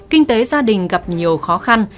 kinh tế gia đình gặp nhiều khó khăn